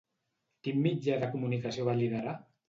Quin mitjà de comunicació va liderar?